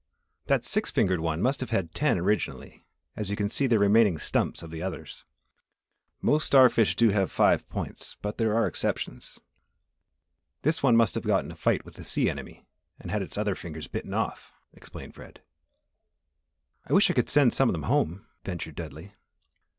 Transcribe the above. "That six fingered one must have had ten originally, as you can see the remaining stumps of the others. Most star fish do have five points but there are exceptions. This one must have got in a fight with a sea enemy and had its other fingers bitten off," explained Fred. "I wish I could send some of them home," ventured Dudley.